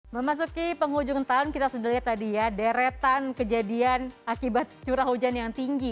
memasuki penghujung tahun kita sudah lihat tadi ya deretan kejadian akibat curah hujan yang tinggi